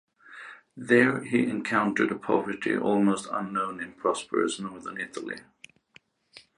There he encountered a poverty almost unknown in prosperous northern Italy.